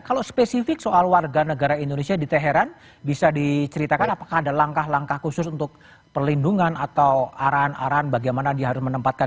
kalau spesifik soal warga negara indonesia di teheran bisa diceritakan apakah ada langkah langkah khusus untuk perlindungan atau arahan arahan bagaimana dia harus menempatkan